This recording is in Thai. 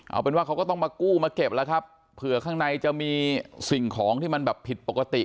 เอาเป็นว่าเขาก็ต้องมากู้มาเก็บแล้วครับเผื่อข้างในจะมีสิ่งของที่มันแบบผิดปกติ